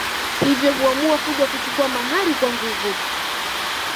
Hivyo huamua kuja kuchukua mahari kwa nguvu